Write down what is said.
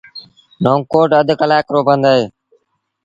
نئون ڪوٽ اڌ ڪلآڪ رو پند اهي